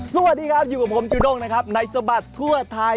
สวัสดีครับอยู่กับผมจูด้งนะครับในสบัดทั่วไทย